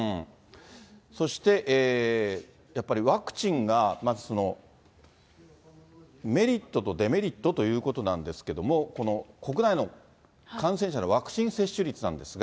そして、やっぱりワクチンがまず、メリットとデメリットということなんですけれども、国内の感染者のワクチン接種率なんですが。